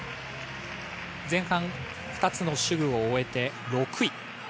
前半２つの手具を終えて６位。